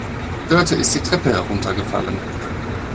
Dörte ist die Treppe heruntergefallen.